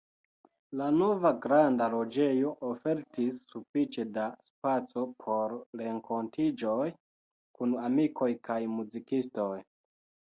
La nova granda loĝejo ofertis sufiĉe da spaco por renkontiĝoj kun amikoj kaj muzikistoj.